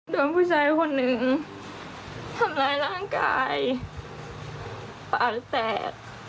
โดนผู้ชายคนหนึ่งทำร้ายร่างกายปากแตก